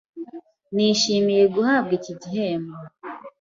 Nishimiye guhabwa iki gihembo.